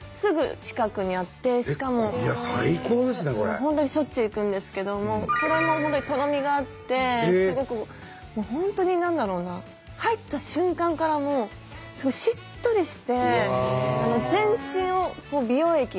本当にしょっちゅう行くんですけどもこれも本当にとろみがあってすごく本当に何だろうな入った瞬間からもうすごいしっとりしていいですね。